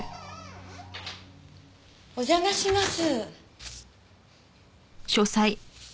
お邪魔します。